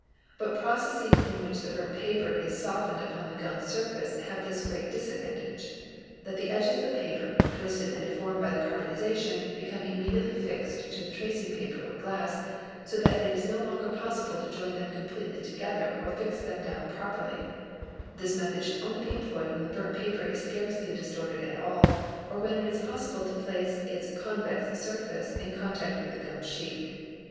But processes in which the burnt paper is softened upon the gummed surface have this great disadvantage, that the edges of the paper, twisted and deformed by the carbonization, become immediately fixed to the tracing paper or glass, so that it 1s no longer possible to join them completely together or fix them down properly This method should only be employed when the burnt paper is scarcely distorted at all or when it is possible to place its convex surface iI contact with the gummed sheet.